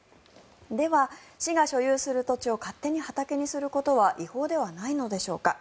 では、市が所有する土地を勝手に畑にすることは違法ではないのでしょうか。